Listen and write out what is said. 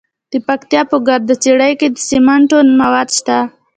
د پکتیا په ګرده څیړۍ کې د سمنټو مواد شته.